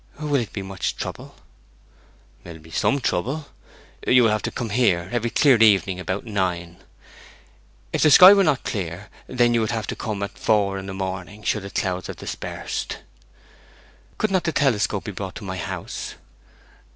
'Will it be much trouble?' 'It will be some trouble. You would have to come here every clear evening about nine. If the sky were not clear, then you would have to come at four in the morning, should the clouds have dispersed.' 'Could not the telescope be brought to my house?'